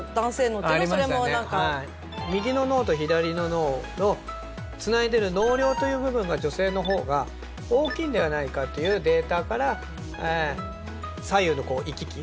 右の脳と左の脳をつないでる脳梁という部分が女性のほうが大きいんではないかというデータから左右の行き来